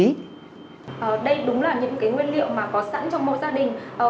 đây đúng là những cái nguyên liệu mà có sẵn trong mỗi gia đình